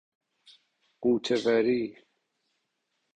غوطه وری